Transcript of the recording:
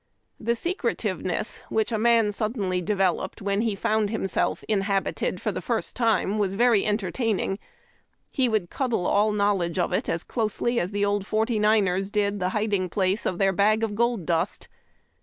The secretiveness which a man suddenl}^ developed when he found himself inhabited for the first time was very entertaining. He would cuddle all knowledge of it as closely as the old Forty Niners did the hiding place of their bag of gold dust.